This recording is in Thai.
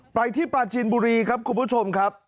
ไปที่ปลาจีนบุรีครับคุณผู้ชมครับ